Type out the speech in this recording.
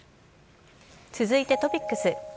続いてトピックス。